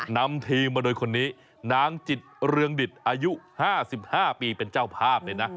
นำทีมมาโดยคนนี้นางจิตเรืองดิตอายุ๕๕ปีเป็นเจ้าภาพเลยนะ